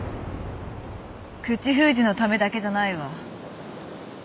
口封じのためだけじゃないわ。